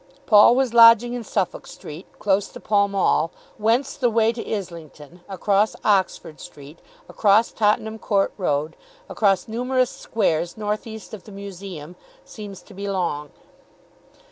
Paul was lodging in Suffolk Street, close to Pall Mall, whence the way to Islington, across Oxford Street, across Tottenham Court Road, across numerous squares north east of the Museum, seems to be long.